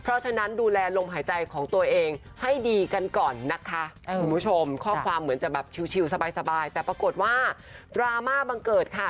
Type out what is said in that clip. เพราะฉะนั้นดูแลลมหายใจของตัวเองให้ดีกันก่อนนะคะคุณผู้ชมข้อความเหมือนจะแบบชิวสบายสบายแต่ปรากฏว่าดราม่าบังเกิดค่ะ